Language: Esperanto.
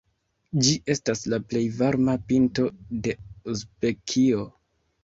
Ĝi estas la plej varma pinto de Uzbekio.